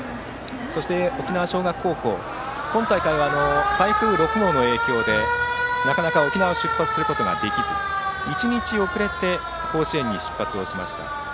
そして、沖縄尚学高校は今大会は台風６号の影響でなかなか沖縄を出発できず１日遅れて甲子園に出発をしました。